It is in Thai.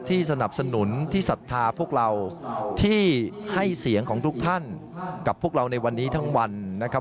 สนับสนุนที่ศรัทธาพวกเราที่ให้เสียงของทุกท่านกับพวกเราในวันนี้ทั้งวันนะครับ